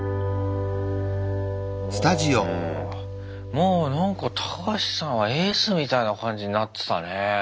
もうなんかタカハシさんはエースみたいな感じになってたね。